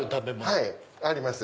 はいあります。